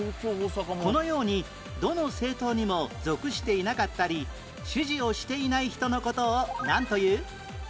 このようにどの政党にも属していなかったり支持をしていない人の事をなんという？